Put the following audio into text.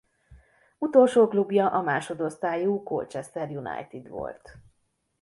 Utolsó klubja a másodosztályú Colchester United volt.